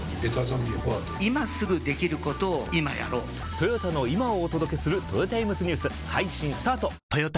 トヨタの今をお届けするトヨタイムズニュース配信スタート！！！